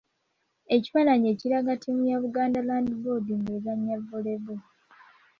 Ekifaananyi ekiraga ttiimu ya Buganda Land Board nga ezannya Volleyball.